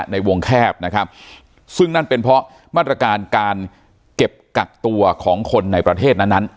ในวงแคบนะครับซึ่งนั่นเป็นเพราะมาตรการการเก็บกักตัวของคนในประเทศนั้นนั้น